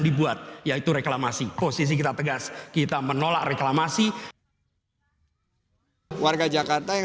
dibuat yaitu reklamasi posisi kita tegas kita menolak reklamasi warga jakarta yang